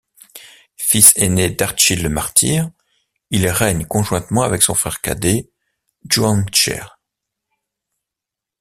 Fils aîné d'Artchil le Martyr, il règne conjointement avec son frère cadet Djouanscher.